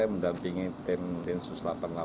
mendampingi tim densus delapan puluh delapan